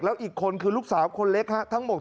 แล้วอีกคนคือลูกสาวคนเล็กทั้งหมด